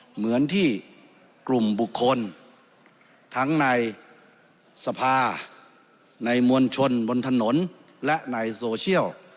เหมือนที่กลุ่มบุคคลทั้งในสภาในมวลชนบนถนนและในโซเชียล